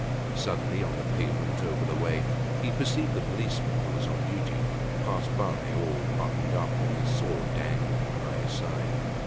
Suddenly, on the pavement over the way, he perceived the policeman, who was on duty, pass by all buttoned up with his sword dangling by his side.